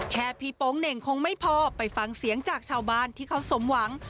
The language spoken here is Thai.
แค่พี่โป๊งเหน่งคงไม่พอไปฟังเสียงจากชาวบ้านที่เขาสมหวัง